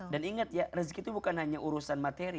dan ingat ya rezeki itu bukan hanya urusan materi